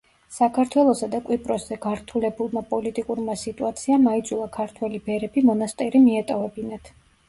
საქართველოსა და კვიპროსზე გართულებულმა პოლიტიკურმა სიტუაციამ აიძულა ქართველი ბერები მონასტერი მიეტოვებინათ.